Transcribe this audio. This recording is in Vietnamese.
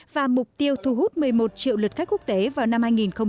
và mục tiêu thu hút một mươi một triệu lượt khách quốc tế vào năm hai nghìn hai mươi